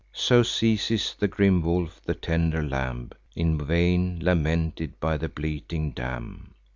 So seizes the grim wolf the tender lamb, In vain lamented by the bleating dam.